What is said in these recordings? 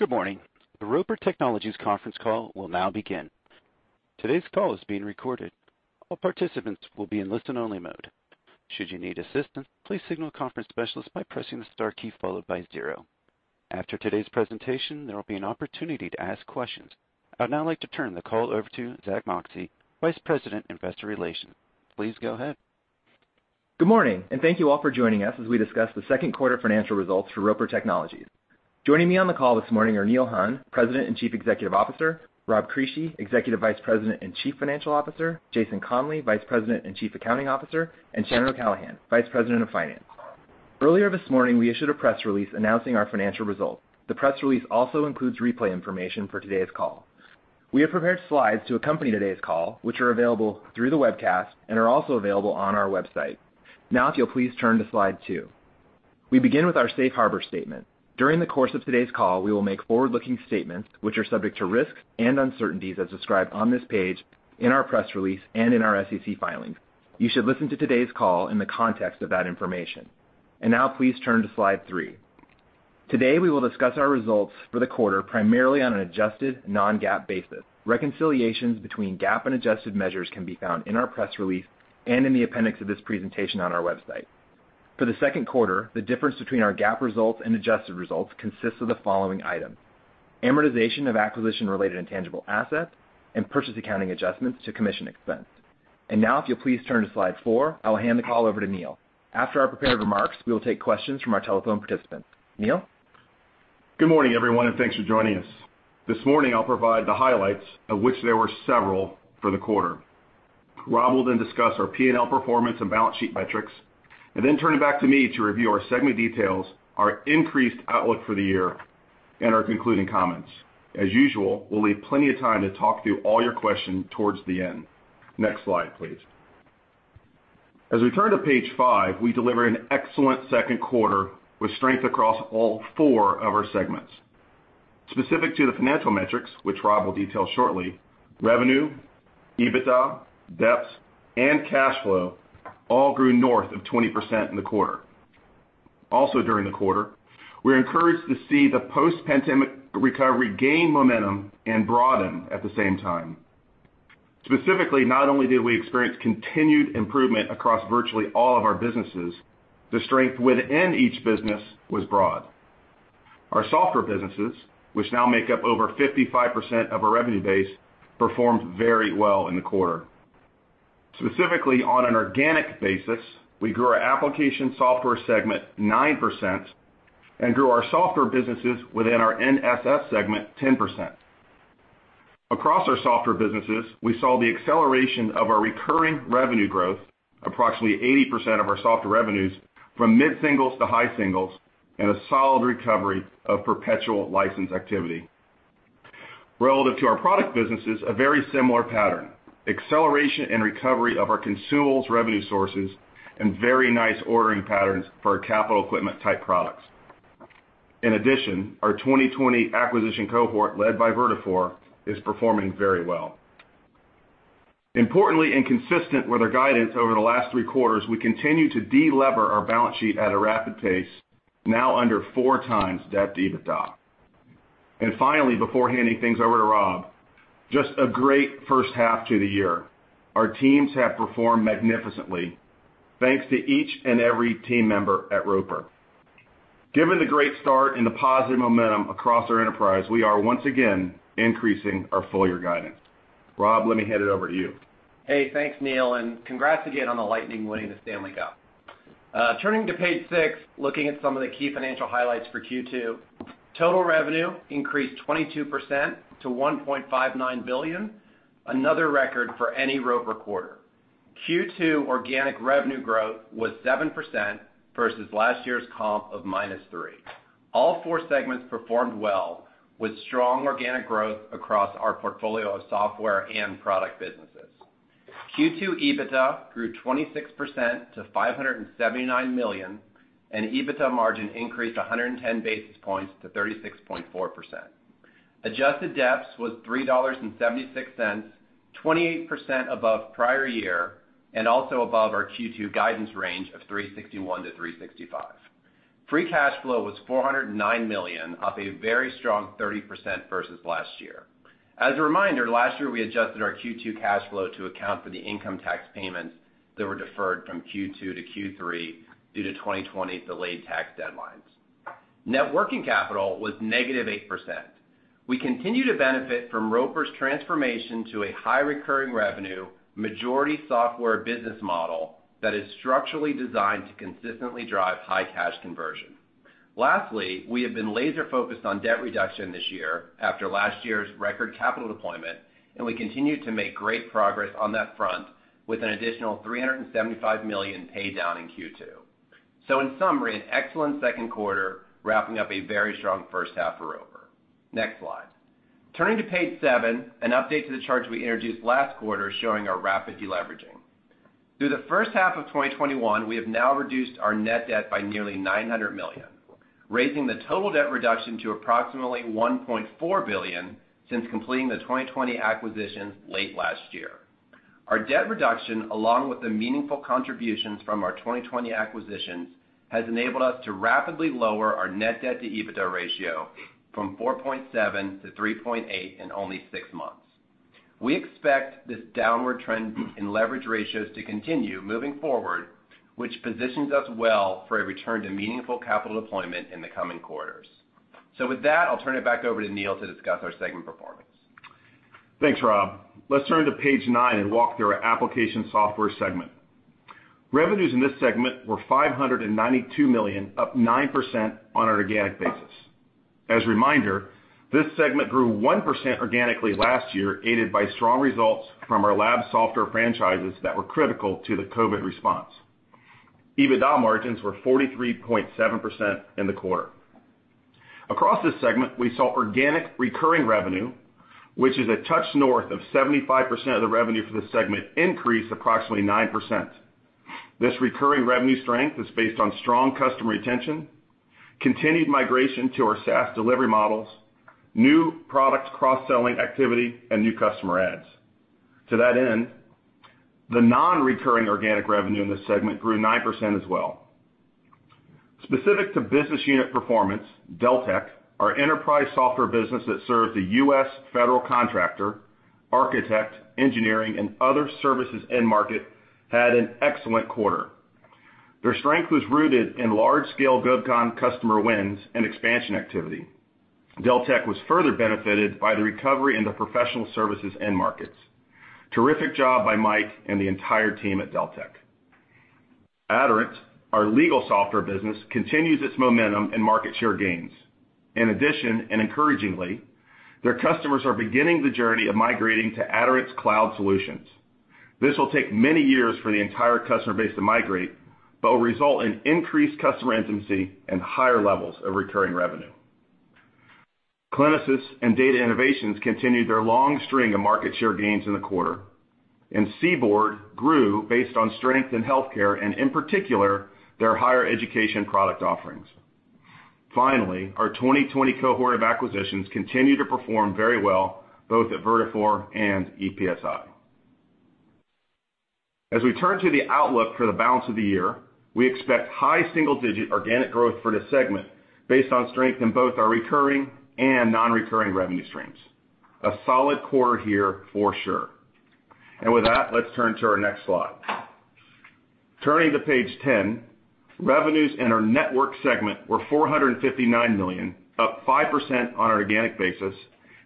Good morning. The Roper Technologies conference call will now begin. Today's call is being recorded. All participants will be in listen-only mode. Should you need assistance, please signal a conference specialist by pressing the star key followed by zero. After today's presentation, there will be an opportunity to ask questions. I'd now like to turn the call over to Zack Moxcey, Vice President, Investor Relations. Please go ahead. Good morning. Thank you all for joining us as we discuss the second quarter financial results for Roper Technologies. Joining me on the call this morning are Neil Hunn, President and Chief Executive Officer, Rob Crisci, Executive Vice President and Chief Financial Officer, Jason Conley, Vice President and Chief Accounting Officer, and Shannon O'Callaghan, Vice President of Finance. Earlier this morning, we issued a press release announcing our financial results. The press release also includes replay information for today's call. We have prepared slides to accompany today's call, which are available through the webcast and are also available on our website. If you'll please turn to slide two. We begin with our safe harbor statement. During the course of today's call, we will make forward-looking statements which are subject to risks and uncertainties as described on this page, in our press release, and in our SEC filings. You should listen to today's call in the context of that information. Now, please turn to slide three. Today, we will discuss our results for the quarter, primarily on an adjusted non-GAAP basis. Reconciliations between GAAP and adjusted measures can be found in our press release and in the appendix of this presentation on our website. For the second quarter, the difference between our GAAP results and adjusted results consists of the following items: amortization of acquisition-related intangible assets and purchase accounting adjustments to commission expense. Now, if you'll please turn to slide four, I will hand the call over to Neil. After our prepared remarks, we will take questions from our telephone participants. Neil? Good morning, everyone, thanks for joining us. This morning, I'll provide the highlights, of which there were several, for the quarter. Rob will then discuss our P&L performance and balance sheet metrics, turn it back to me to review our segment details, our increased outlook for the year, and our concluding comments. As usual, we'll leave plenty of time to talk through all your questions towards the end. Next slide, please. As we turn to page five, we deliver an excellent second quarter with strength across all four of our segments. Specific to the financial metrics, which Rob will detail shortly, revenue, EBITDA, DEPS, and cash flow all grew north of 20% in the quarter. Also during the quarter, we were encouraged to see the post-pandemic recovery gain momentum and broaden at the same time. Specifically, not only did we experience continued improvement across virtually all of our businesses, the strength within each business was broad. Our software businesses, which now make up over 55% of our revenue base, performed very well in the quarter. Specifically, on an organic basis, we grew our Application Software segment 9% and grew our software businesses within our NSS segment 10%. Across our software businesses, we saw the acceleration of our recurring revenue growth, approximately 80% of our software revenues, from mid-singles to high singles and a solid recovery of perpetual license activity. Relative to our product businesses, a very similar pattern. Acceleration and recovery of our consumables revenue sources and very nice ordering patterns for our capital equipment-type products. In addition, our 2020 acquisition cohort, led by Vertafore, is performing very well. Importantly, and consistent with our guidance over the last 3/4, we continue to de-lever our balance sheet at a rapid pace, now under 4x debt to EBITDA. Finally, before handing things over to Rob, just a great first half to the year. Our teams have performed magnificently. Thanks to each and every team member at Roper. Given the great start and the positive momentum across our enterprise, we are once again increasing our full-year guidance. Rob, let me hand it over to you. Hey, thanks, Neil, and congrats again on the Lightning winning the Stanley Cup. Turning to page six, looking at some of the key financial highlights for Q2. Total revenue increased 22% to $1.59 billion, another record for any Roper quarter. Q2 organic revenue growth was 7% versus last year's comp of -3%. All four segments performed well, with strong organic growth across our portfolio of software and product businesses. Q2 EBITDA grew 26% to $579 million, and EBITDA margin increased 110 basis points to 36.4%. Adjusted DEPS was $3.76, 28% above prior year and also above our Q2 guidance range of $3.61-$3.65. Free cash flow was $409 million, up a very strong 30% versus last year. As a reminder, last year we adjusted our Q2 cash flow to account for the income tax payments that were deferred from Q2 to Q3 due to 2020 delayed tax deadlines. Net working capital was -8%. We continue to benefit from Roper's transformation to a high recurring revenue, majority software business model that is structurally designed to consistently drive high cash conversion. Lastly, we have been laser-focused on debt reduction this year after last year's record capital deployment, and we continue to make great progress on that front with an additional $375 million paid down in Q2. In summary, an excellent second quarter wrapping up a very strong first half for Roper. Next slide. Turning to page seven, an update to the charts we introduced last quarter showing our rapid de-leveraging. Through the first half of 2021, we have now reduced our net debt by nearly $900 million, raising the total debt reduction to approximately $1.4 billion since completing the 2020 acquisition late last year. Our debt reduction, along with the meaningful contributions from our 2020 acquisitions, has enabled us to rapidly lower our net debt to EBITDA ratio from 4.7:3.8 in only six months. We expect this downward trend in leverage ratios to continue moving forward, which positions us well for a return to meaningful capital deployment in the coming quarters. With that, I'll turn it back over to Neil to discuss our segment performance. Thanks, Rob. Let's turn to page nine and walk through our Application Software segment. Revenues in this segment were $592 million, up 9% on an organic basis. As a reminder, this segment grew 1% organically last year, aided by strong results from our lab software franchises that were critical to the COVID response. EBITDA margins were 43.7% in the quarter. Across this segment, we saw organic recurring revenue, which is a touch north of 75% of the revenue for the segment, increase approximately 9%. This recurring revenue strength is based on strong customer retention, continued migration to our SaaS delivery models, new product cross-selling activity, and new customer adds. To that end, the non-recurring organic revenue in this segment grew 9% as well. Specific to business unit performance, Deltek, our enterprise software business that serves the U.S. federal contractor, architect, engineering, and other services end market, had an excellent quarter. Their strength was rooted in large-scale GovCon customer wins and expansion activity. Deltek was further benefited by the recovery in the professional services end markets. Terrific job by Mike and the entire team at Deltek. Aderant, our legal software business, continues its momentum and market share gains. In addition, and encouragingly, their customers are beginning the journey of migrating to Aderant's cloud solutions. This will take many years for the entire customer base to migrate, but will result in increased customer intimacy and higher levels of recurring revenue. CliniSys and Data Innovations continued their long string of market share gains in the quarter, and CBORD grew based on strength in healthcare and in particular, their higher education product offerings. Finally, our 2020 cohort of acquisitions continue to perform very well, both at Vertafore and EPSi. As we turn to the outlook for the balance of the year, we expect high single-digit organic growth for this segment based on strength in both our recurring and non-recurring revenue streams. A solid quarter here for sure. With that, let's turn to our next slide. Turning to page 10, revenues in our Network segment were $459 million, up 5% on an organic basis,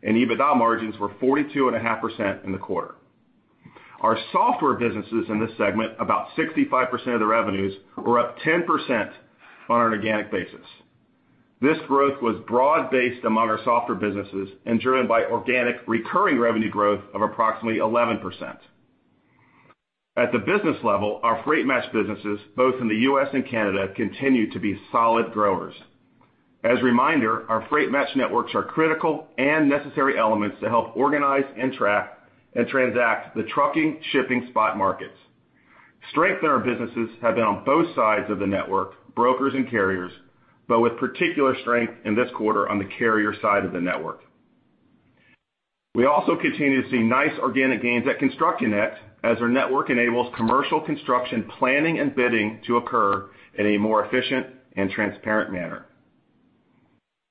and EBITDA margins were 42.5% in the quarter. Our software businesses in this segment, about 65% of the revenues, were up 10% on an organic basis. This growth was broad-based among our software businesses and driven by organic recurring revenue growth of approximately 11%. At the business level, our Freight Match businesses, both in the U.S. and Canada, continue to be solid growers. As a reminder, our Freight Match networks are critical and necessary elements to help organize and track and transact the trucking shipping spot markets. Strength in our businesses have been on both sides of the network, brokers and carriers, but with particular strength in this quarter on the carrier side of the network. We also continue to see nice organic gains at ConstructConnect as our network enables commercial construction planning and bidding to occur in a more efficient and transparent manner.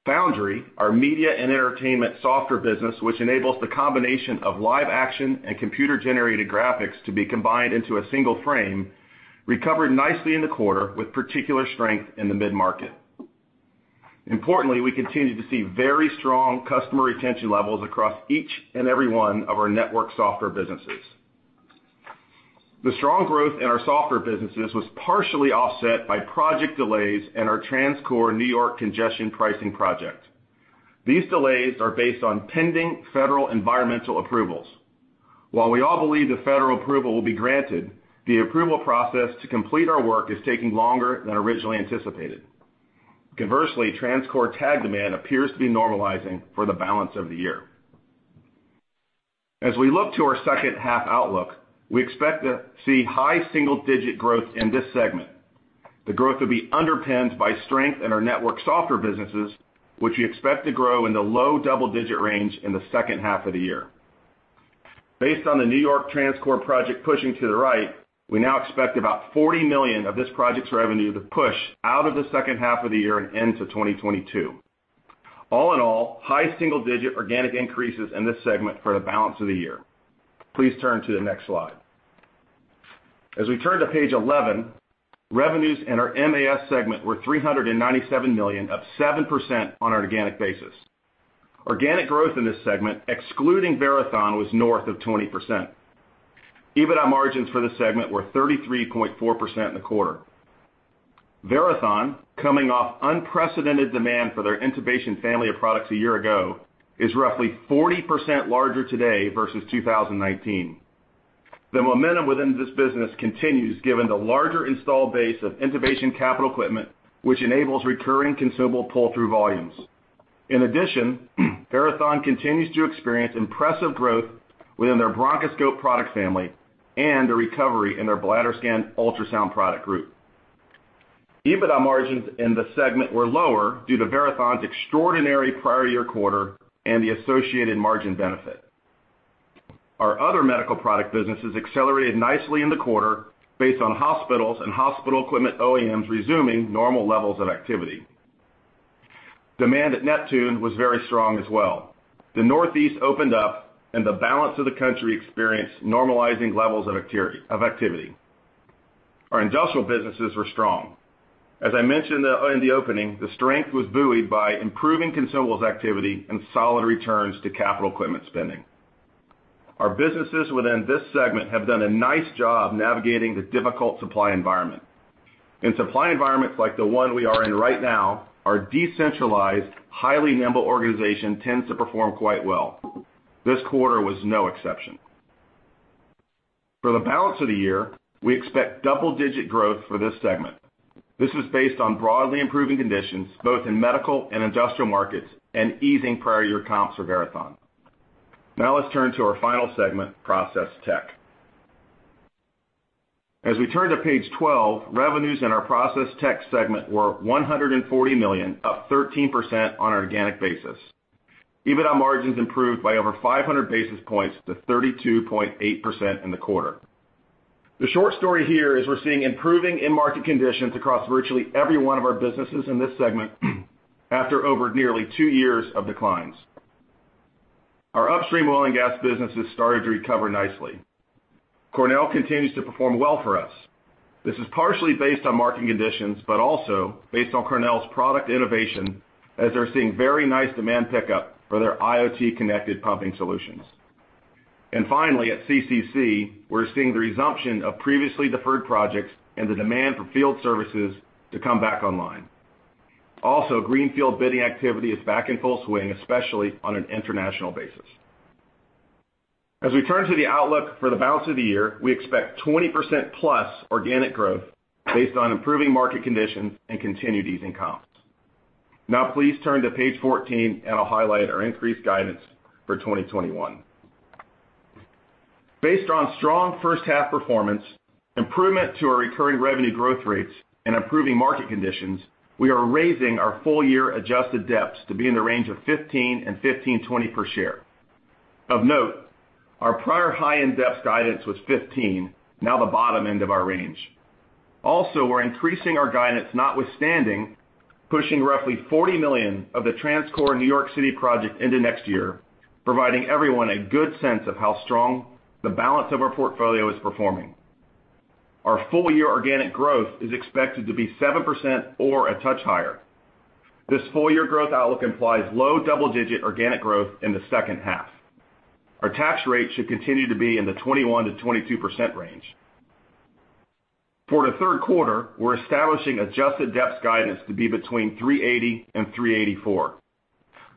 Foundry, our media and entertainment software business, which enables the combination of live action and computer-generated graphics to be combined into a single frame, recovered nicely in the quarter with particular strength in the mid-market. Importantly, we continue to see very strong customer retention levels across each and every one of our network software businesses. The strong growth in our software businesses was partially offset by project delays in our TransCore New York congestion pricing project. These delays are based on pending federal environmental approvals. While we all believe the federal approval will be granted, the approval process to complete our work is taking longer than originally anticipated. Conversely, TransCore tag demand appears to be normalizing for the balance of the year. As we look to our second half outlook, we expect to see high single-digit growth in this segment. The growth will be underpinned by strength in our network software businesses, which we expect to grow in the low double-digit range in the second half of the year. Based on the New York TransCore project pushing to the right, we now expect about $40 million of this project's revenue to push out of the second half of the year and into 2022. All in all, high single-digit organic increases in this segment for the balance of the year. Please turn to the next slide. As we turn to page 11, revenues in our MAS segment were $397 million, up 7% on an organic basis. Organic growth in this segment, excluding Verathon, was north of 20%. EBITDA margins for the segment were 33.4% in the quarter. Verathon, coming off unprecedented demand for their intubation family of products a year ago, is roughly 40% larger today versus 2019. The momentum within this business continues given the larger installed base of intubation capital equipment, which enables recurring consumable pull-through volumes. In addition, Verathon continues to experience impressive growth within their Bronchoscope product family and a recovery in their BladderScan ultrasound product group. EBITDA margins in the segment were lower due to Verathon's extraordinary prior year quarter and the associated margin benefit. Our other medical product businesses accelerated nicely in the quarter based on hospitals and hospital equipment OEMs resuming normal levels of activity. Demand at Neptune was very strong as well. The Northeast opened up and the balance of the country experienced normalizing levels of activity. Our industrial businesses were strong. As I mentioned in the opening, the strength was buoyed by improving consumables activity and solid returns to capital equipment spending. Our businesses within this segment have done a nice job navigating the difficult supply environment. In supply environments like the one we are in right now, our decentralized, highly nimble organization tends to perform quite well. This quarter was no exception. For the balance of the year, we expect double-digit growth for this segment. This is based on broadly improving conditions, both in medical and industrial markets, and easing prior year comps for Verathon. Now let's turn to our final segment, Process Tech. As we turn to page 12, revenues in our Process Tech segment were $140 million, up 13% on an organic basis. EBITDA margins improved by over 500 basis points to 32.8% in the quarter. The short story here is we're seeing improving end market conditions across virtually every one of our businesses in this segment after over nearly two years of declines. Our upstream oil and gas business has started to recover nicely. Cornell continues to perform well for us. This is partially based on market conditions, but also based on Cornell's product innovation, as they're seeing very nice demand pickup for their IoT-connected pumping solutions. Finally, at CCC, we're seeing the resumption of previously deferred projects and the demand for field services to come back online. Greenfield bidding activity is back in full swing, especially on an international basis. As we turn to the outlook for the balance of the year, we expect 20%+ organic growth based on improving market conditions and continued easing comps. Please turn to page 14, and I'll highlight our increased guidance for 2021. Based on strong first half performance, improvement to our recurring revenue growth rates, and improving market conditions, we are raising our full year adjusted DEPS to be in the range of $15.00-$15.20 per share. Of note, our prior high-end DEPS guidance was $15.00, now the bottom end of our range. We're increasing our guidance notwithstanding pushing roughly $40 million of the TransCore New York City project into next year, providing everyone a good sense of how strong the balance of our portfolio is performing. Our full year organic growth is expected to be 7% or a touch higher. This full year growth outlook implies low double-digit organic growth in the second half. Our tax rate should continue to be in the 21%-22% range. For the third quarter, we're establishing adjusted DEPS guidance to be between $3.80 and $3.84.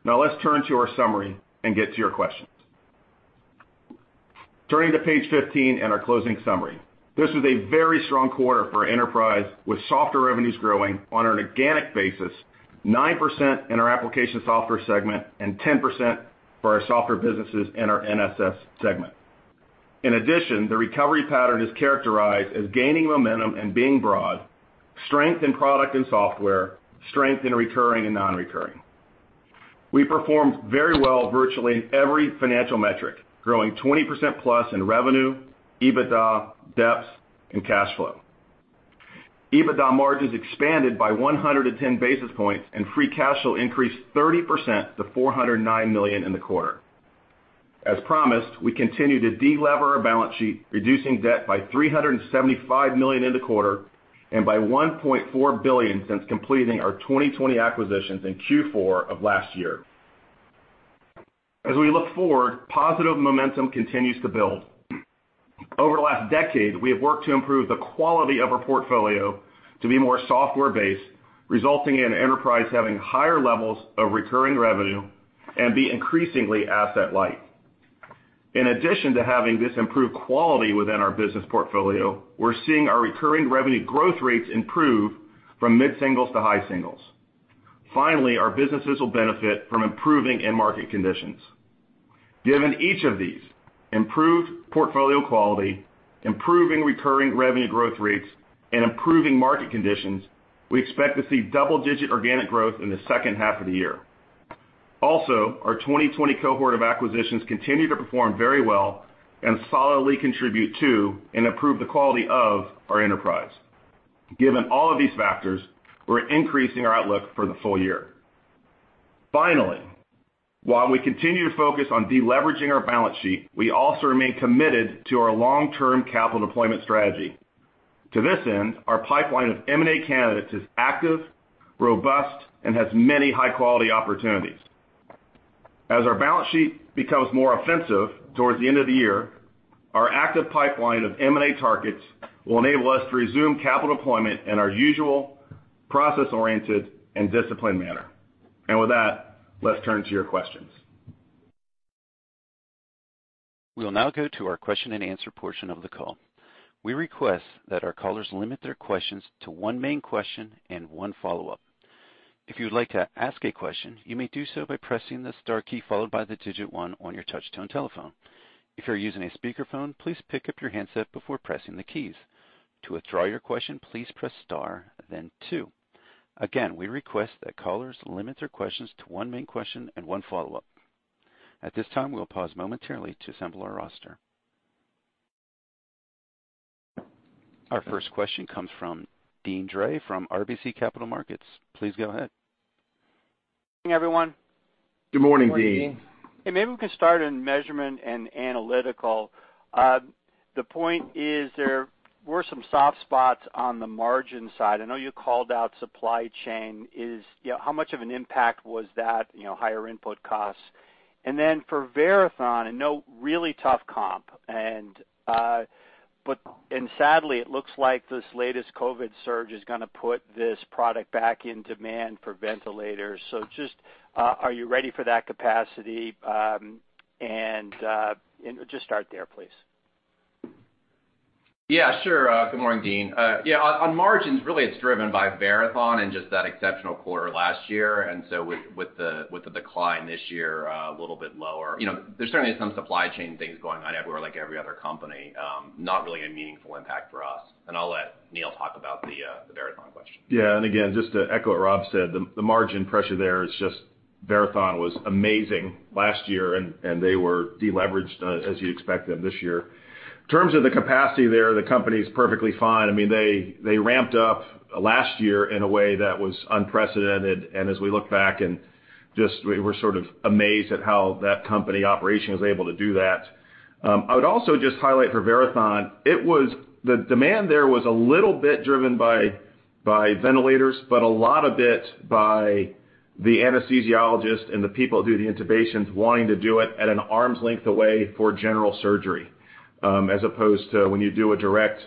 Now let's turn to our summary and get to your questions. Turning to page 15 and our closing summary. This was a very strong quarter for Enterprise, with software revenues growing on an organic basis 9% in our Application Software segment and 10% for our software businesses in our NSS segment. In addition, the recovery pattern is characterized as gaining momentum and being broad, strength in product and software, strength in recurring and non-recurring. We performed very well virtually in every financial metric, growing 20%+ in revenue, EBITDA, DEPS, and cash flow. EBITDA margins expanded by 110 basis points, and free cash flow increased 30% to $409 million in the quarter. As promised, we continue to de-lever our balance sheet, reducing debt by $375 million in the quarter and by $1.4 billion since completing our 2020 acquisitions in Q4 of last year. As we look forward, positive momentum continues to build. Over the last decade, we have worked to improve the quality of our portfolio to be more software-based, resulting in enterprise having higher levels of recurring revenue and be increasingly asset light. In addition to having this improved quality within our business portfolio, we're seeing our recurring revenue growth rates improve from mid-singles to high singles. Finally, our businesses will benefit from improving end market conditions. Given each of these, improved portfolio quality, improving recurring revenue growth rates, and improving market conditions, we expect to see double-digit organic growth in the second half of the year. Our 2020 cohort of acquisitions continue to perform very well and solidly contribute to and improve the quality of our enterprise. Given all of these factors, we're increasing our outlook for the full year. Finally, while we continue to focus on de-leveraging our balance sheet, we also remain committed to our long-term capital deployment strategy. To this end, our pipeline of M&A candidates is active, robust, and has many high-quality opportunities. As our balance sheet becomes more offensive towards the end of the year, our active pipeline of M&A targets will enable us to resume capital deployment in our usual process-oriented and disciplined manner. With that, let's turn to your questions. We will now go to our question and answer portion of the call. We request that our callers limit their questions to one main question and one follow-up. If you'd like to ask a question, you may do so by pressing the star key, followed by the digit one on your touchtone telephone. If you're using a speakerphone, please pick up your handset before pressing the keys. To withdraw your question, please press star then two. Again, we request that callers limit their questions to one main question and one follow-up. At this time, we'll pause momentarily to assemble our roster. Our first question comes from Deane Dray from RBC Capital Markets. Please go ahead. Good morning, everyone. Good morning, Deane. Maybe we can start in Measurement and Analytical. The point is there were some soft spots on the margin side. I know you called out supply chain. How much of an impact was that, higher input costs? Then for Verathon, I know, really tough comp. Sadly, it looks like this latest COVID surge is going to put this product back in demand for ventilators. Just, are you ready for that capacity? Just start there, please. Yeah, sure. Good morning, Deane. Yeah, on margins, really, it's driven by Verathon and just that exceptional quarter last year. With the decline this year, a little bit lower. There's certainly some supply chain things going on everywhere like every other company, not really a meaningful impact for us. I'll let Neil talk about the Verathon question. Yeah. Again, just to echo what Rob said, the margin pressure there is just Verathon was amazing last year, and they were deleveraged as you expect them this year. In terms of the capacity there, the company's perfectly fine. They ramped up last year in a way that was unprecedented, and as we look back and just, we're sort of amazed at how that company operation was able to do that. I would also just highlight for Verathon, the demand there was a little bit driven by ventilators, but a lot of it by the anesthesiologist and the people that do the intubations wanting to do it at an arm's length away for general surgery. As opposed to when you do a direct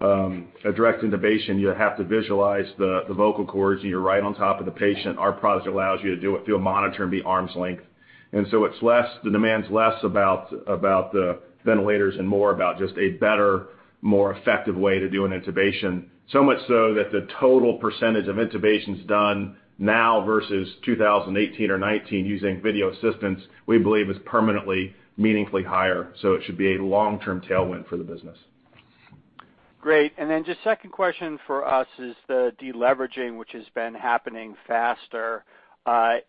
intubation, you have to visualize the vocal cords, and you're right on top of the patient. Our product allows you to do it through a monitor and be arm's length. The demand is less about the ventilators and more about just a better, more effective way to do an intubation. So much so that the total % of intubations done now versus 2018 or 2019 using video assistance, we believe is permanently meaningfully higher. It should be a long-term tailwind for the business. Great. Just second question for us is the deleveraging, which has been happening faster. I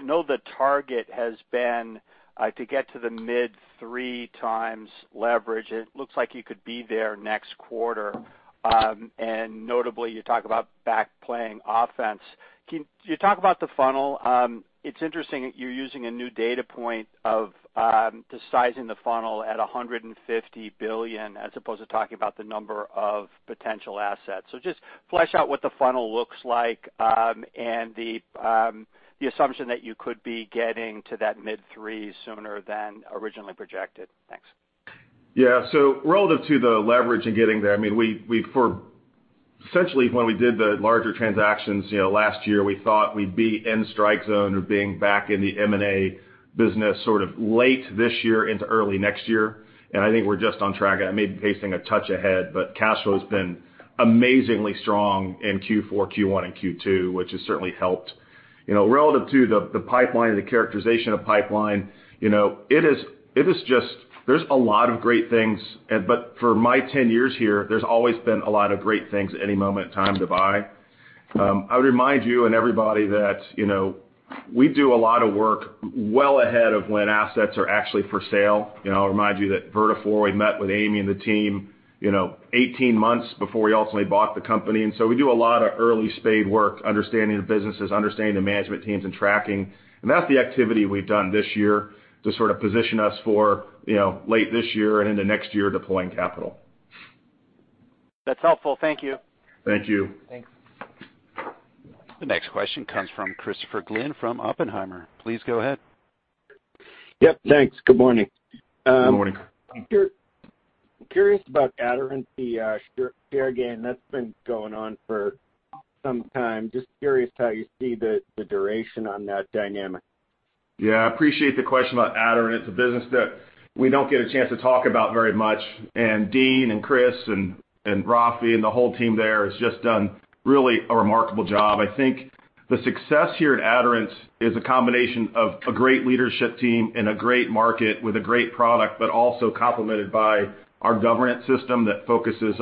know the target has been to get to the mid 3x leverage. It looks like you could be there next quarter. Notably, you talk about back playing offense. Can you talk about the funnel? It's interesting that you're using a new data point of the sizing the funnel at $150 billion as opposed to talking about the number of potential assets. Just flesh out what the funnel looks like, and the assumption that you could be getting to that mid three sooner than originally projected. Thanks. Relative to the leverage and getting there, essentially when we did the larger transactions last year, we thought we'd be in strike zone or being back in the M&A business sort of late this year into early next year. I think we're just on track. I may be pacing a touch ahead. Cash flow has been amazingly strong in Q4, Q1, and Q2, which has certainly helped. Relative to the pipeline or the characterization of pipeline, there's a lot of great things. For my 10 years here, there's always been a lot of great things at any moment in time to buy. I would remind you and everybody that we do a lot of work well ahead of when assets are actually for sale. I would remind you that Vertafore, we met with Amy and the team 18 months before we ultimately bought the company. We do a lot of early spade work, understanding the businesses, understanding the management teams, and tracking. That's the activity we've done this year to sort of position us for late this year and into next year deploying capital. That's helpful. Thank you. Thank you. Thanks. The next question comes from Christopher Glynn from Oppenheimer. Please go ahead. Yep, thanks. Good morning. Good morning. I'm curious about Aderant, the share gain that's been going on for some time. Just curious how you see the duration on that dynamic. Yeah, appreciate the question about Aderant. It's a business that we don't get a chance to talk about very much, and Deane and Chris and Rob and the whole team there has just done really a remarkable job. I think the success here at Aderant is a combination of a great leadership team and a great market with a great product, but also complemented by our governance system that focuses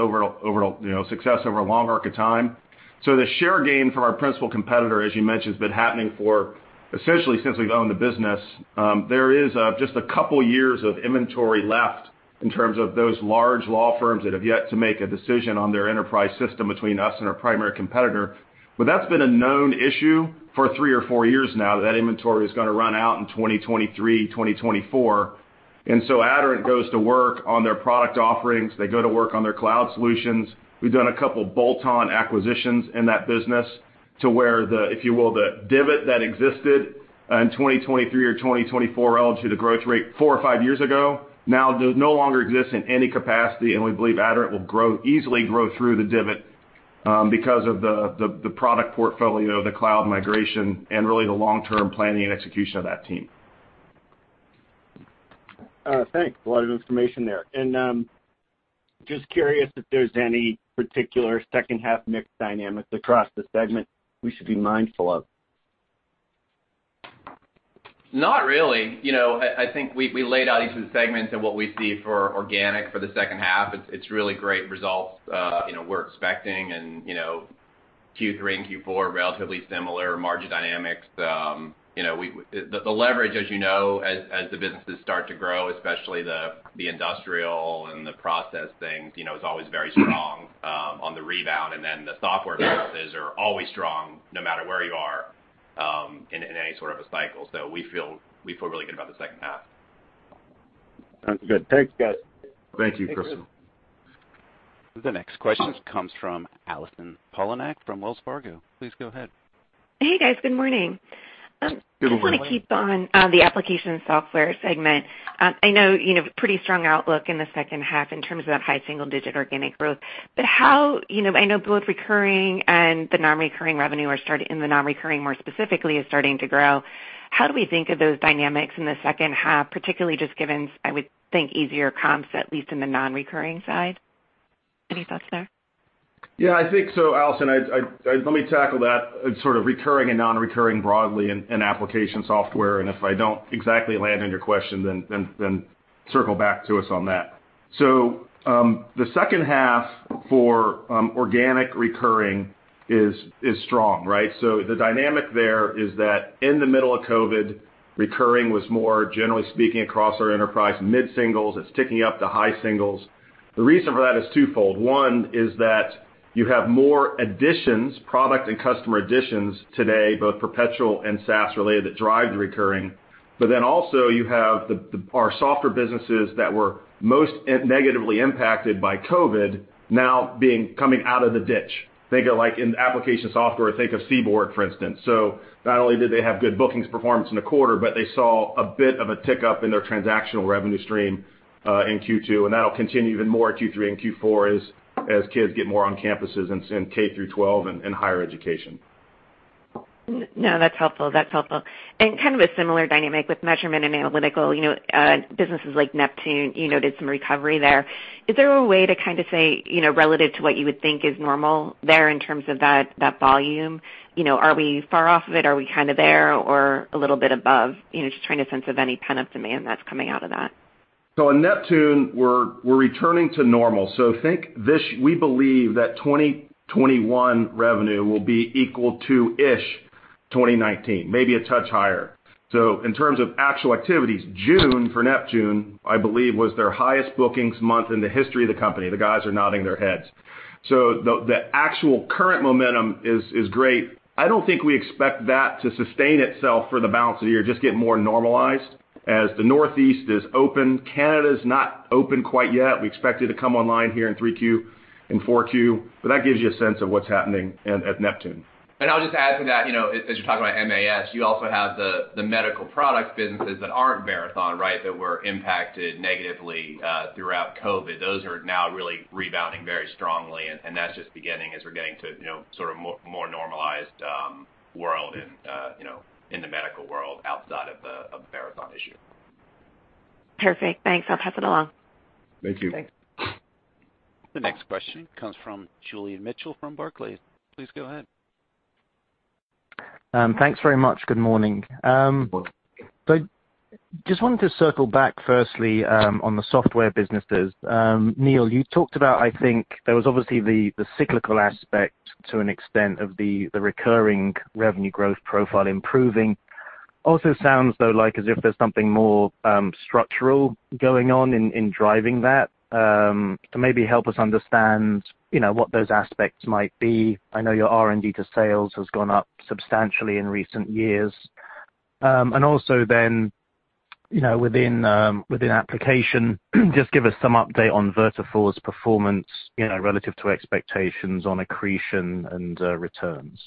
success over a long arc of time. The share gain from our principal competitor, as you mentioned, has been happening for essentially since we've owned the business. There is just two years of inventory left in terms of those large law firms that have yet to make a decision on their enterprise system between us and our primary competitor. That's been a known issue for three or four years now, that inventory is going to run out in 2023, 2024. Aderant goes to work on their product offerings. They go to work on their cloud solutions. We've done a couple bolt-on acquisitions in that business to where the, if you will, the divot that existed in 2023 or 2024 relative to the growth rate four or five years ago, now no longer exists in any capacity, and we believe Aderant will easily grow through the divot because of the product portfolio, the cloud migration, and really the long-term planning and execution of that team. Thanks. A lot of information there. Just curious if there's any particular second half mix dynamics across the segment we should be mindful of. Not really. I think we laid out each of the segments and what we see for organic for the second half. It's really great results we're expecting. Q3 and Q4 are relatively similar margin dynamics. The leverage, as you know, as the businesses start to grow, especially the Industrial and the Process Tech is always very strong on the rebound. Then the software businesses are always strong no matter where you are in any sort of a cycle. We feel really good about the second half. Sounds good. Thanks, guys. Thank you, Chris. The next question comes from Allison Poliniak from Wells Fargo. Please go ahead. Hey, guys. Good morning. Good morning. Just want to keep on the Application Software segment. I know you have a pretty strong outlook in the second half in terms of that high single-digit organic growth. I know both recurring and the non-recurring revenue, and the non-recurring more specifically, is starting to grow. How do we think of those dynamics in the second half, particularly just given, I would think, easier comps, at least in the non-recurring side? Any thoughts there? Yeah, I think so, Allison. Let me tackle that sort of recurring and non-recurring broadly in Application Software. If I don't exactly land on your question, then circle back to us on that. The second half for organic recurring is strong, right? The dynamic there is that in the middle of COVID, recurring was more, generally speaking, across our enterprise, mid-single digits. It's ticking up to high-single digits. The reason for that is twofold. One is that you have more additions, product and customer additions today, both perpetual and SaaS related, that drive the recurring. Also, you have our software businesses that were most negatively impacted by COVID now coming out of the ditch. Think of like in Application Software, think of CBORD, for instance. Not only did they have good bookings performance in 1/4, but they saw a bit of a tick up in their transactional revenue stream, in Q2, and that'll continue even more in Q3 and Q4 as kids get more on campuses in K-12 and higher education. No, that's helpful. Kind of a similar dynamic with measurement and analytical, businesses like Neptune, did some recovery there. Is there a way to kind of say, relative to what you would think is normal there in terms of that volume? Are we far off of it? Are we kind of there or a little bit above? Just trying to sense of any pent-up demand that's coming out of that. In Neptune, we're returning to normal. We believe that 2021 revenue will be equal to-ish 2019, maybe a touch higher. In terms of actual activities, June for Neptune, I believe, was their highest bookings month in the history of the company. The guys are nodding their heads. The actual current momentum is great. I don't think we expect that to sustain itself for the balance of the year, just get more normalized as the Northeast is open. Canada's not open quite yet. We expect it to come online here in 3Q and 4Q. That gives you a sense of what's happening at Neptune. I'll just add to that, as you're talking about MAS, you also have the medical product businesses that aren't Verathon, right, that were impacted negatively throughout COVID. Those are now really rebounding very strongly, and that's just beginning as we're getting to sort of more normalized world in the medical world outside of the Verathon issue. Perfect. Thanks. I'll pass it along. Thank you. Thanks. The next question comes from Julian Mitchell from Barclays. Please go ahead. Thanks very much. Good morning. Good morning. Just wanted to circle back firstly on the software businesses. Neil, you talked about, I think, there was obviously the cyclical aspect to an extent of the recurring revenue growth profile improving. Sounds, though, like as if there's something more structural going on in driving that. Maybe help us understand what those aspects might be. I know your R&D to sales has gone up substantially in recent years. Within Application, just give us some update on Vertafore's performance relative to expectations on accretion and returns.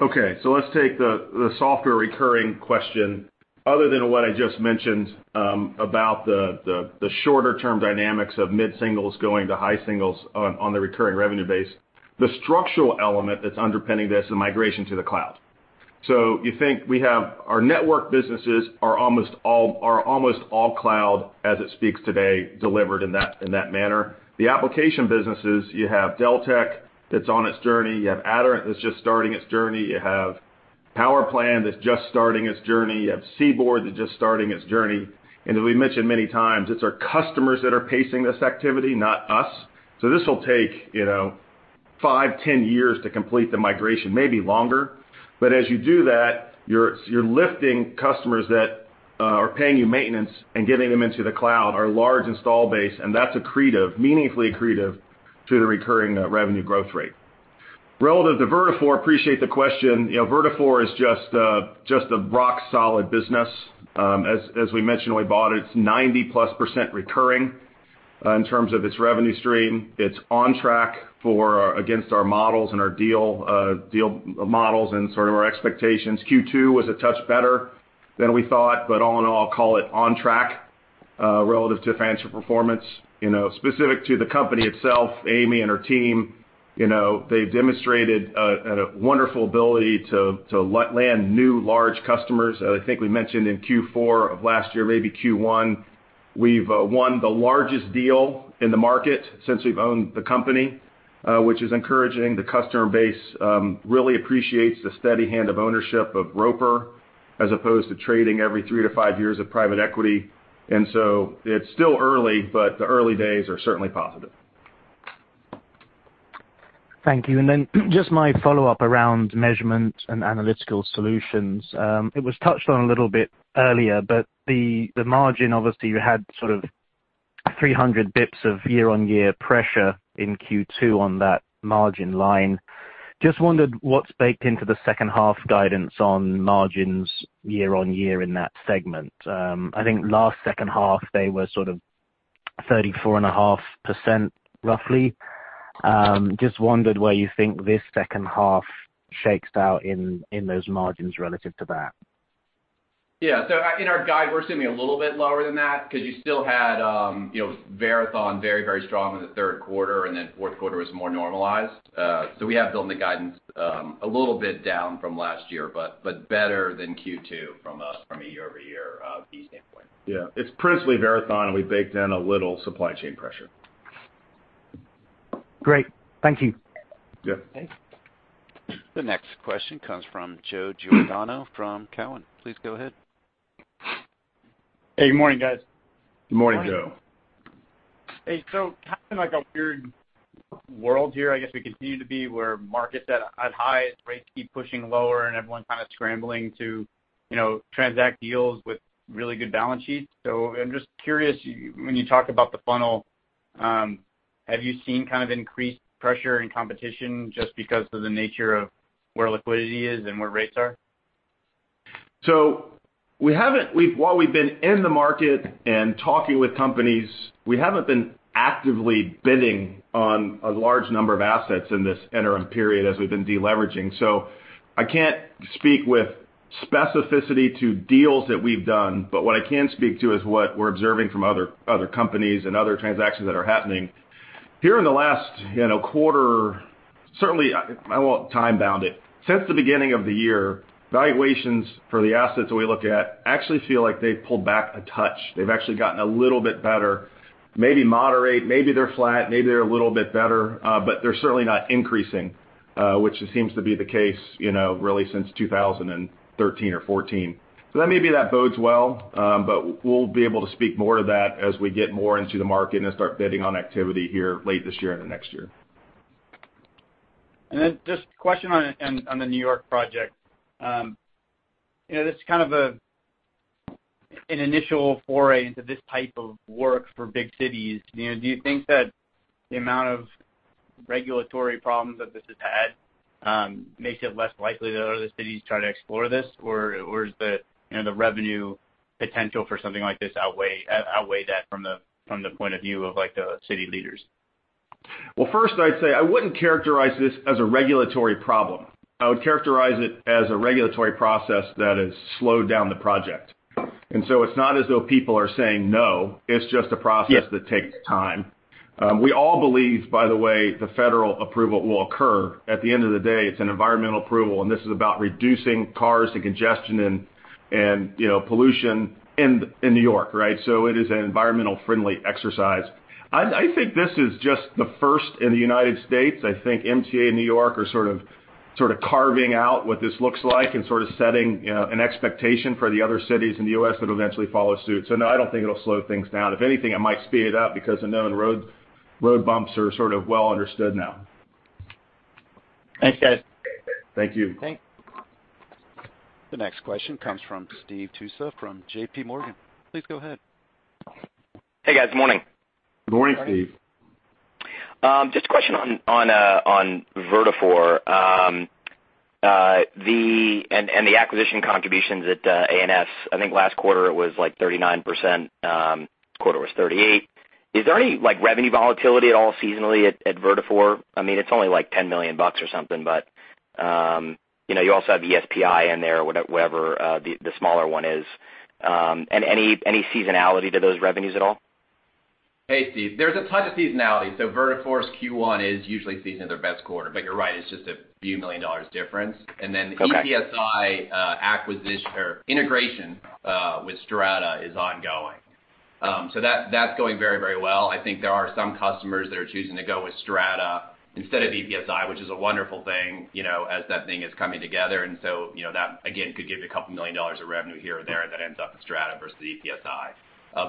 Okay, let's take the software recurring question. Other than what I just mentioned about the shorter-term dynamics of mid-singles going to high singles on the recurring revenue base, the structural element that's underpinning this is migration to the cloud. You think we have our network businesses are almost all cloud as it speaks today, delivered in that manner. The application businesses, you have Deltek that's on its journey. You have Aderant that's just starting its journey. You have PowerPlan that's just starting its journey. You have CBORD that's just starting its journey. As we mentioned many times, it's our customers that are pacing this activity, not us. This will take five, 10 years to complete the migration, maybe longer. As you do that, you're lifting customers that are paying you maintenance and getting them into the cloud, our large install base, and that's accretive, meaningfully accretive to the recurring revenue growth rate. Relative to Vertafore, appreciate the question. Vertafore is just a rock-solid business. As we mentioned when we bought it's 90+% recurring in terms of its revenue stream. It's on track against our models and our deal models and sort of our expectations. Q2 was a touch better than we thought, all in all, call it on track relative to financial performance. Specific to the company itself, Amy and her team, they've demonstrated a wonderful ability to land new large customers. I think we mentioned in Q4 of last year, maybe Q1, we've won the largest deal in the market since we've owned the company, which is encouraging. The customer base really appreciates the steady hand of ownership of Roper as opposed to trading every three to five years of private equity. It's still early, but the early days are certainly positive. Thank you. Just my follow-up around measurements and analytical solutions. It was touched on a little bit earlier, the margin, obviously, you had sort of 300 basis points of year-on-year pressure in Q2 on that margin line. Just wondered what's baked into the second half guidance on margins year-on-year in that segment. I think last second half they were sort of 34.5% roughly. Just wondered where you think this second half shakes out in those margins relative to that. In our guide, we're assuming a little bit lower than that because you still had Verathon very strong in the third quarter, fourth quarter was more normalized. We have built in the guidance a little bit down from last year, but better than Q2 from a year-over-year view standpoint. Yeah. It's principally Verathon and we baked in a little supply chain pressure. Great. Thank you. Yeah. Thanks. The next question comes from Joe Giordano from Cowen. Please go ahead. Hey, good morning, guys. Good morning, Joe. Hey, kind of in like a weird world here, I guess we continue to be, where markets at highs, rates keep pushing lower and everyone kind of scrambling to transact deals with really good balance sheets. I'm just curious, when you talk about the funnel, have you seen kind of increased pressure and competition just because of the nature of where liquidity is and where rates are? While we've been in the market and talking with companies, we haven't been actively bidding on a large number of assets in this interim period as we've been de-leveraging. I can't speak with specificity to deals that we've done, but what I can speak to is what we're observing from other companies and other transactions that are happening. Here in the last quarter, certainly, I won't time bound it. Since the beginning of the year, valuations for the assets that we look at actually feel like they've pulled back a touch. They've actually gotten a little bit better, maybe moderate, maybe they're flat, maybe they're a little bit better, but they're certainly not increasing, which seems to be the case really since 2013 or 2014. That maybe that bodes well, but we'll be able to speak more to that as we get more into the market and start bidding on activity here late this year and the next year. Just a question on the New York project. This is kind of an initial foray into this type of work for big cities. Do you think that the amount of regulatory problems that this has had makes it less likely that other cities try to explore this? Does the revenue potential for something like this outweigh that from the point of view of the city leaders? Well, first I'd say I wouldn't characterize this as a regulatory problem. I would characterize it as a regulatory process that has slowed down the project. It's not as though people are saying no, it's just a process that takes time. We all believe, by the way, the federal approval will occur. At the end of the day, it's an environmental approval, and this is about reducing cars and congestion and pollution in New York. It is an environmental friendly exercise. I think this is just the first in the U.S. I think MTA in New York are sort of carving out what this looks like and sort of setting an expectation for the other cities in the U.S. That will eventually follow suit. No, I don't think it'll slow things down. If anything, it might speed it up because the known road bumps are sort of well understood now. Thanks, guys. Thank you. Thanks. The next question comes from Steve Tusa from JPMorgan. Please go ahead. Hey, guys. Good morning. Good morning, Steve. Just a question on Vertafore and the acquisition contributions at A&S. I think last quarter it was like 39%, this quarter was 38%. Is there any revenue volatility at all seasonally at Vertafore? I mean, it's only like $10 million or something, but you also have EPSi in there, whatever the smaller one is. Any seasonality to those revenues at all? Hey, Steve. There's a touch of seasonality. Vertafore's Q1 is usually seasonally their best quarter, but you're right, it's just a few million dollars difference. Okay. Then EPSi integration with Strata is ongoing. That's going very well. I think there are some customers that are choosing to go with Strata instead of EPSi, which is a wonderful thing as that thing is coming together. That again, could give you a couple million dollars of revenue here or there that ends up in Strata versus EPSi.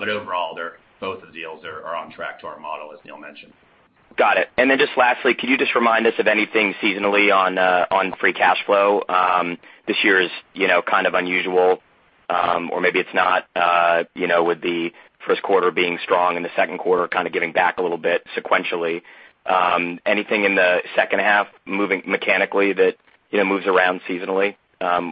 Overall, both the deals are on track to our model, as Neil mentioned. Got it. Just lastly, could you just remind us of anything seasonally on free cash flow? This year is kind of unusual, or maybe it's not, with the first quarter being strong and the second quarter kind of giving back a little bit sequentially. Anything in the second half mechanically that moves around seasonally? How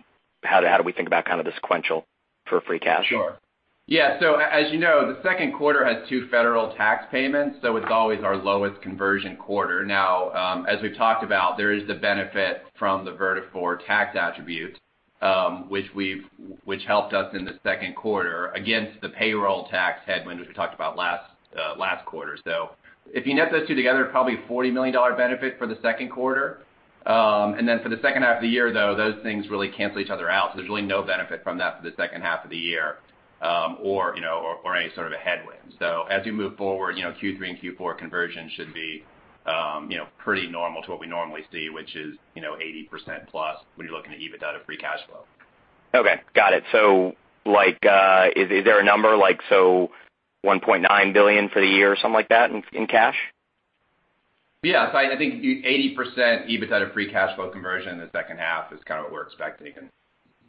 do we think about kind of the sequential for free cash? Sure. Yeah. As you know, the second quarter has two federal tax payments, it's always our lowest conversion quarter. As we've talked about, there is the benefit from the Vertafore tax attribute. Which helped us in the second quarter against the payroll tax headwinds we talked about last quarter. If you net those two together, probably a $40 million benefit for the second quarter. Then for the second half of the year, though, those things really cancel each other out, so there's really no benefit from that for the 2nd half of the year, or any sort of a headwind. As we move forward, Q3 and Q4 conversion should be pretty normal to what we normally see, which is 80%+ when you're looking at EBITDA free cash flow. Okay. Got it. Is there a number, like $1.9 billion for the year or something like that in cash? Yes. I think 80% EBITDA free cash flow conversion in the second half is kind of what we're expecting.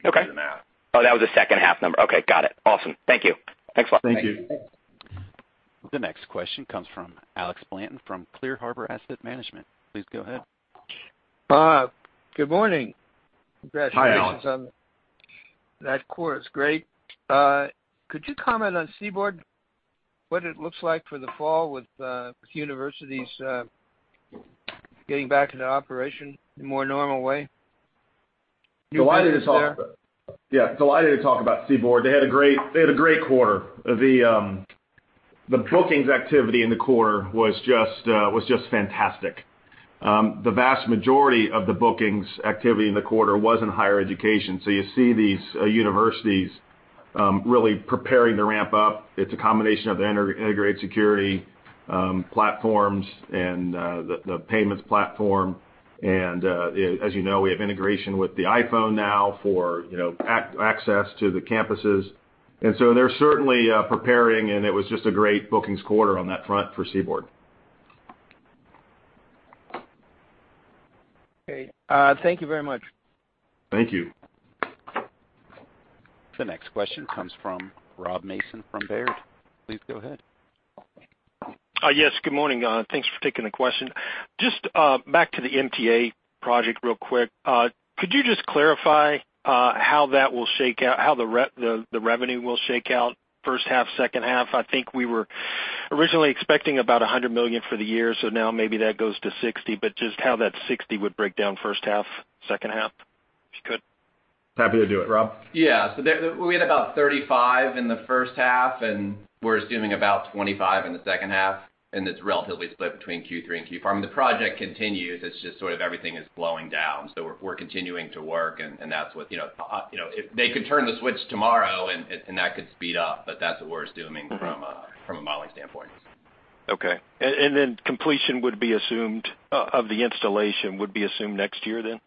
Okay. The math. Oh, that was a second half number. Okay. Got it. Awesome. Thank you. Thanks a lot. Thank you. The next question comes from Alex Blanton from Clear Harbor Asset Management. Please go ahead. Rob, good morning. Hi, Alex. Congratulations on that quarter. It's great. Could you comment on CBORD, what it looks like for the fall with universities getting back into operation in a more normal way? Delighted to talk about CBORD. They had a great quarter. The bookings activity in the quarter was just fantastic. The vast majority of the bookings activity in the quarter was in higher education. You see these universities really preparing to ramp up. It's a combination of the integrated security platforms and the payments platform. As you know, we have integration with the iPhone now for access to the campuses. They're certainly preparing, and it was just a great bookings quarter on that front for CBORD. Okay. Thank you very much. Thank you. The next question comes from Rob Mason from Baird. Please go ahead. Yes, good morning. Thanks for taking the question. Just back to the MTA project real quick. Could you just clarify how the revenue will shake out first half, second half? I think we were originally expecting about $100 million for the year, so now maybe that goes to $60, but just how that $60 would break down first half, second half, if you could. Happy to do it. Rob? We had about 35 in the first half, and we're assuming about 25 in the second half, and it's relatively split between Q3 and Q4. The project continues, it's just sort of everything is slowing down. We're continuing to work, if they could turn the switch tomorrow, and that could speed up, but that's what we're assuming from a modeling standpoint. Okay. Completion of the installation would be assumed next year then?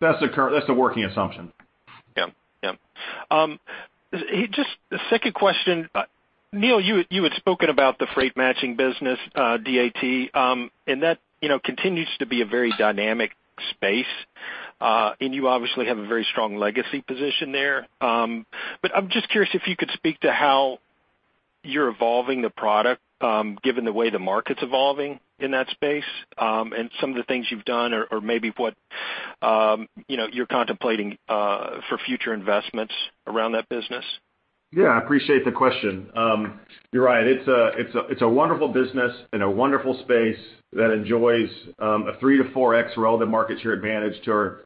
That's the working assumption. Yeah. Just a second question. Neil, you had spoken about the freight matching business, DAT. That continues to be a very dynamic space. You obviously have a very strong legacy position there. I'm just curious if you could speak to how you're evolving the product, given the way the market's evolving in that space, and some of the things you've done or maybe what you're contemplating for future investments around that business. Yeah, I appreciate the question. You're right. It's a wonderful business and a wonderful space that enjoys a 3x-4x relevant market share advantage to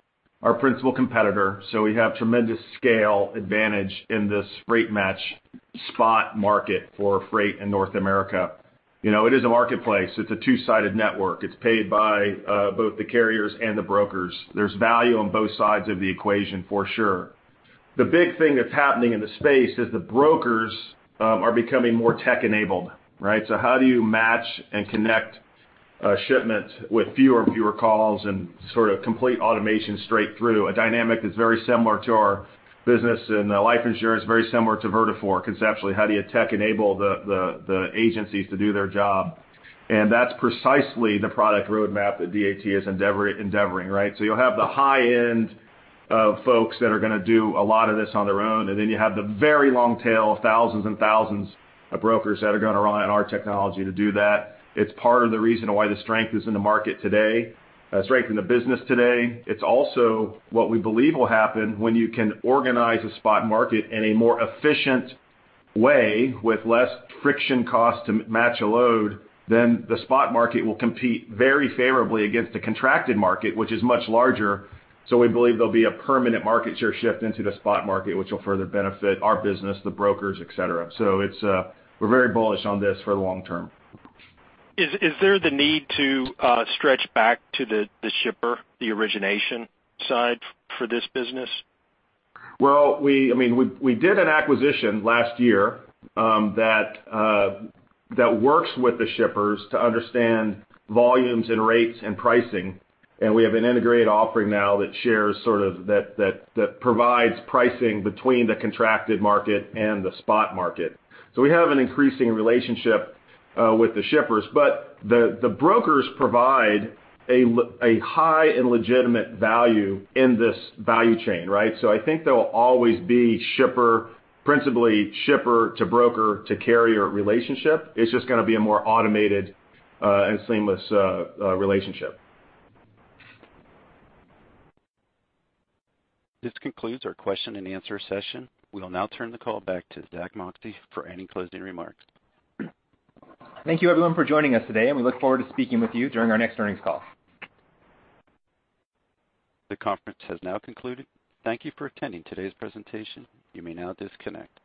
our principal competitor. We have tremendous scale advantage in this Freight Match spot market for freight in North America. It is a marketplace. It's a two-sided network. It's paid by both the carriers and the brokers. There's value on both sides of the equation, for sure. The big thing that's happening in the space is the brokers are becoming more tech-enabled, right? How do you match and connect a shipment with fewer and fewer calls and sort of complete automation straight through? A dynamic that's very similar to our business in life insurance, very similar to Vertafore conceptually. How do you tech enable the agencies to do their job? That's precisely the product roadmap that DAT is endeavoring, right? You'll have the high end of folks that are going to do a lot of this on their own, and then you have the very long tail of thousands and thousands of brokers that are going to run on our technology to do that. It's part of the reason why the strength is in the market today, strength in the business today. It's also what we believe will happen when you can organize a spot market in a more efficient way with less friction cost to match a load, then the spot market will compete very favorably against the contracted market, which is much larger. We believe there'll be a permanent market share shift into the spot market, which will further benefit our business, the brokers, et cetera. We're very bullish on this for the long term. Is there the need to stretch back to the shipper, the origination side for this business? We did an acquisition last year that works with the shippers to understand volumes and rates and pricing, and we have an integrated offering now that provides pricing between the contracted market and the spot market. We have an increasing relationship with the shippers, but the brokers provide a high and legitimate value in this value chain, right? I think there will always be principally shipper to broker to carrier relationship. It's just going to be a more automated and seamless relationship. This concludes our question and answer session. We will now turn the call back to Zack Moxcey for any closing remarks. Thank you everyone for joining us today, and we look forward to speaking with you during our next earnings call. The conference has now concluded. Thank you for attending today's presentation. You may now disconnect.